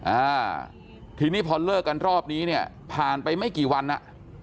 อ่าทีนี้พอเลิกกันรอบนี้เนี่ยผ่านไปไม่กี่วันอ่ะ